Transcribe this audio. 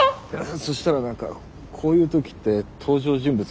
そしたら何かこういう時って登場人物